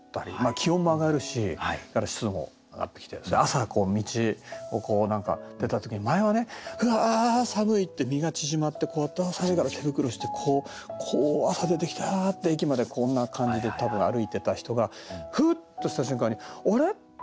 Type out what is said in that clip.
気温も上がるしそれから湿度も上がってきて朝こう道を何か出た時に前はね「うわ寒い」って身が縮まって寒いから手袋してこう朝出てきて「あ」って駅までこんな感じで多分歩いてた人がふっとした瞬間にあれ？